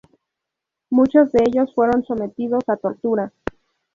Muchos de ellos fueron sometidos a tortura.